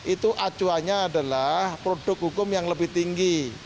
itu acuannya adalah produk hukum yang lebih tinggi